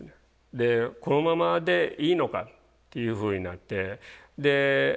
このままでいいのかっていうふうになってでどうしようかと。